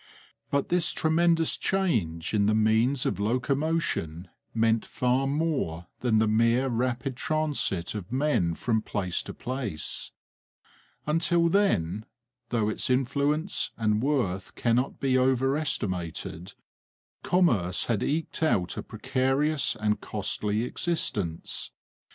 But this tremendous change in the means of locomotion meant far more than the mere rapid transit of men from place to place. Until then, though its influence and worth cannot be overestimated, commerce had eked out a precarious and costly existence.